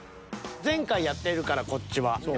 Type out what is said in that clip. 前回やってるからこっちは。